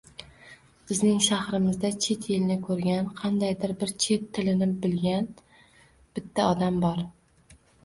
Bizning shahrimizda chet elni koʻrgan, qandaydir bir chet tilni bilgan bitta odam bor